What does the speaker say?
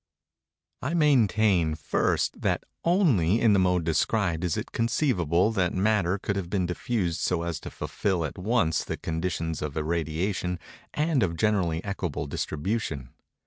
I maintain, first, that only in the mode described is it conceivable that Matter could have been diffused so as to fulfil at once the conditions of irradiation and of generally equable distribution.